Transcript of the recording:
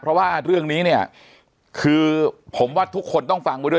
เพราะว่าเรื่องนี้เนี่ยคือผมว่าทุกคนต้องฟังไว้ด้วย